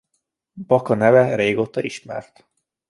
Baka neve régóta ismert.